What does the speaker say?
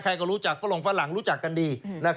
ใครก็รู้จักเพราะระหว่างฝรั่งรู้จักกันดี